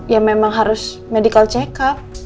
ya memang harus medical check up